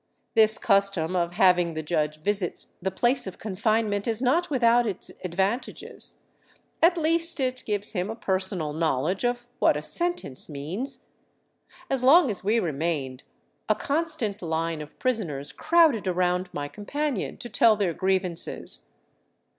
This custom of having the judge visit the place of confinement is not without its advantages ; at least, it gives him a personal knowledge of what a sentence means. As long as we re mained, a constant line of prisoners crowded around my companion to tell their grievances.